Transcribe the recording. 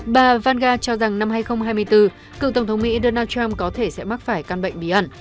bà vana cho rằng năm hai nghìn hai mươi bốn cựu tổng thống mỹ donald trump có thể sẽ mắc phải căn bệnh bí ẩn